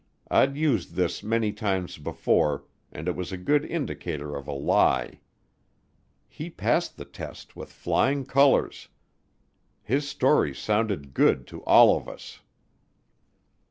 I'd used this many times before, and it was a good indicator of a lie. He passed the test with flying colors. His story sounded good to all of us.